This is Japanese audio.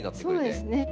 そうですね。